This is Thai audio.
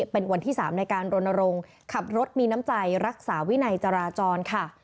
เป็นวันที่๓ในการรณรงค์ขับรถมีน้ำใจรักษาวินัยจราจรค่ะ